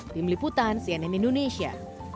tim liputan cnn indonesia